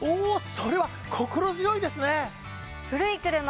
それは心強いですね！